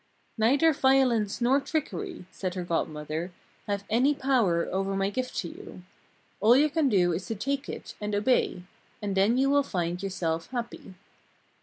"Neither violence nor trickery," said her Godmother, "have any power over my gift to you. All you can do is to take it, and obey. And then you will find yourself happy."